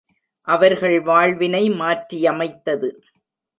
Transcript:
அவர்கள் வாழ்வினை மாற்றியமைத்தது.